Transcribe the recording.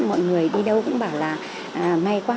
mọi người đi đâu cũng bảo là may quá